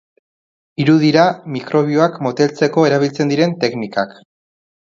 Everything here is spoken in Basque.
Hiru dira mikrobioak moteltzeko erabiltzen diren teknikak.